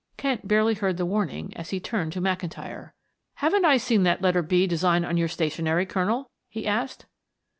Kent barely heard the warning as he turned to McIntyre. "Haven't I seen that letter 'B' design on your stationery, Colonel?" he asked.